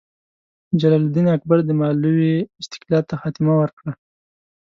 جلال الدین اکبر د مالوې استقلال ته خاتمه ورکړه.